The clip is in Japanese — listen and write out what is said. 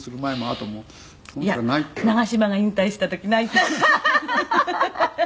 「いや長嶋が引退した時泣いた」